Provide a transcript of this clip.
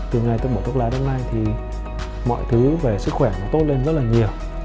từ ngày tôi bỏ thuốc lá đến nay thì mọi thứ về sức khỏe nó tốt lên rất là nhiều